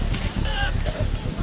jangan jangan jangan